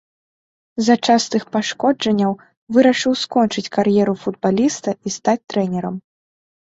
З-за частых пашкоджанняў вырашыў скончыць кар'еру футбаліста і стаць трэнерам.